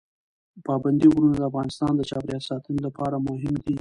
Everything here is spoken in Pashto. پابندی غرونه د افغانستان د چاپیریال ساتنې لپاره مهم دي.